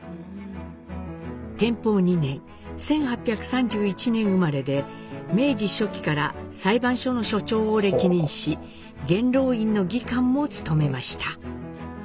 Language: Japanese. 天保２年１８３１年生まれで明治初期から裁判所の所長を歴任し元老院の議官も務めました。